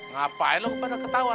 ngapain lo kepada ketawa